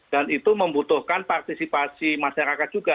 dan itu membutuhkan partisipasi masyarakat juga